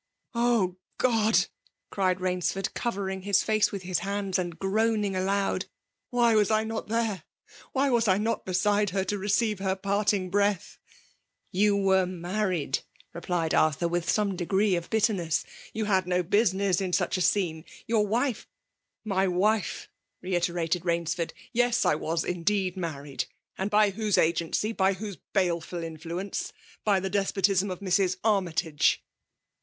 Oh ! God !" criad 'BamdSoxd, eoTering hia fiice with his haiids> and groaning aloud ;" why was I not there 1 Why was I not besidfi her> to receive her parting breath !"You were married,'' replied Arthiff, with some degree o£ bitterness ;" you had no ness in such a scene. Your wife —" '*i£jwifer reiterated Bains&rd: '^yei I was indeed married ! And by whose agency f <^y whose baleful mflnence? By the despy potimn of Mrs. Armytage!